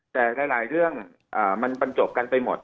แต่หลายเรื่องมันบรรจบกันไปหมด